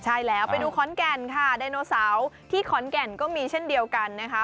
ใช่แล้วไปดูขอนแก่นค่ะไดโนเสาร์ที่ขอนแก่นก็มีเช่นเดียวกันนะคะ